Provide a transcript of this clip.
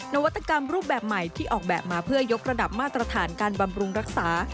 นวัตกรรมรูปแบบใหม่ที่ออกแบบมาเพื่อยกระดับมาตรฐานการบำรุงรักษา